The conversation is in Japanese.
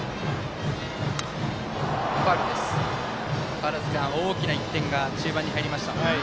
川原崎さん、大きな１点が中盤に入りました。